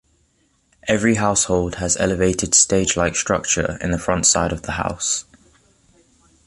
Every household has elevated stage like structure in the front side of the house.